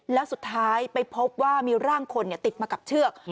แล้วสุดท้ายไปพบว่ามีร่างคนติดมากับเชือก